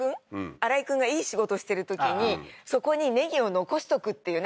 あらいくんがいい仕事をしてるときにそこにネギを残しとくっていうね